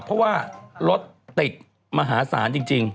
เพราะว่ารถติดมหาศาลจริง